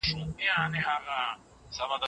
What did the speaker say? له هغه چي وو له موره زېږېدلی